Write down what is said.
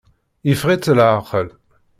Yeffeɣ-itt leɛqel.